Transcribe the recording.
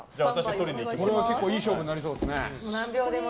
結構いい勝負になりそうですね。